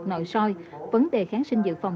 nội soi vấn đề kháng sinh dự phòng